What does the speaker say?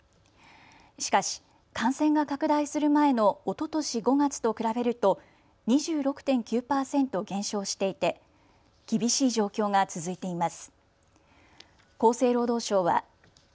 しかし、感染が拡大する前のおととし５月と比べると２６．９％減少していて厳しい状況が続いています。